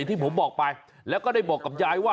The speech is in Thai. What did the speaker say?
อย่าอย่างที่ผมบอกไปแล่าก็ได้บอกกับยายว่า